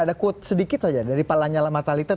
ada quote sedikit saja dari pak lanyala matalita